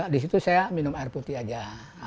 di situ saya minum air putih aja